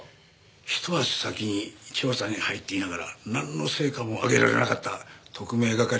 一足先に調査に入っていながらなんの成果も上げられなかった特命係の片割れを。